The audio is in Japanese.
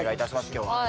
今日は。